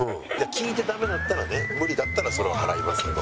聞いてダメだったらね無理だったらそれは払いますけど。